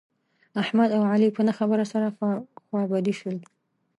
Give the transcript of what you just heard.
احمد او علي په نه خبره سره خوابدي شول.